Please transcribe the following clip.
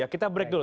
kita break dulu